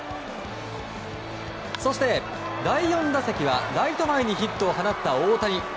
そして、第４打席はライト前にヒットを放った大谷。